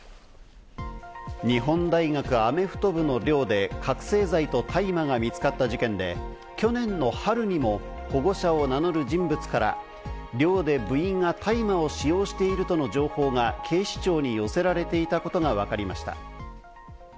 日本大学アメフト部の寮で覚せい剤と大麻が見つかった事件で、去年の春にも保護者を名乗る人物から寮で部員が大麻を使用しているとの情報が警視庁に寄せられていたことがわかりました。